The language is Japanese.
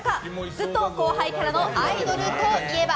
ずっと後輩キャラのアイドルといえば？